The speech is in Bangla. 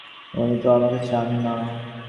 কিন্তু, উনি তো আমাকে চান না।